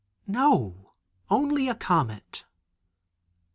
No, only a comet!